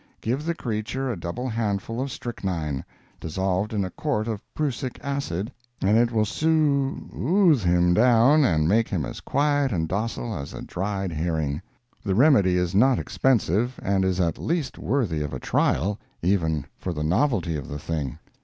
Give the creature a double handful of strychnine, dissolved in a quart of Prussic acid, and it will soo—oothe him down and make him as quiet and docile as a dried herring. The remedy is not expensive, and is at least worthy of a trial, even for the novelty of the thing.